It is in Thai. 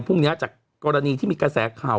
พรุ่งนี้จากกรณีที่มีกระแสข่าว